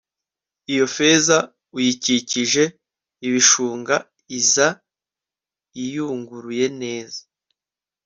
iyo feza uyikijije ibishunga iza iyunguruye neza